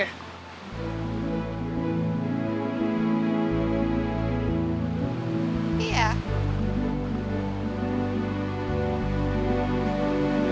lagi gak antum kok